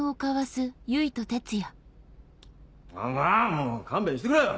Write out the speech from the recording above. もう勘弁してくれよ！